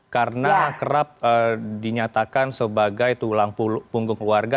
karena kerap dinyatakan sebagai tulang punggung keluarga